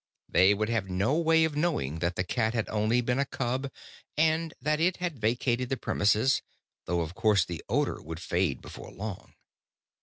They would have no way of knowing that the cat had only been a cub and that it had vacated the premises, though of course the odor would fade before long.